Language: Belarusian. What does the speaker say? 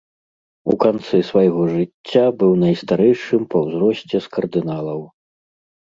У канцы свайго жыцця быў найстарэйшым па ўзросце з кардыналаў.